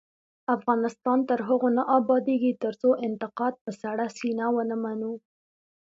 افغانستان تر هغو نه ابادیږي، ترڅو انتقاد په سړه سینه ونه منو.